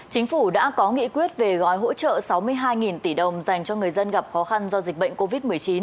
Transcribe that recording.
chính phủ đã có nghị quyết về gói hỗ trợ sáu mươi hai tỷ đồng dành cho người dân gặp khó khăn do dịch bệnh covid một mươi chín